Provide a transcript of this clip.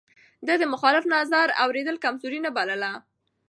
ده د مخالف نظر اورېدل کمزوري نه بلله.